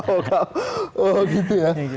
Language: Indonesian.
oh gitu ya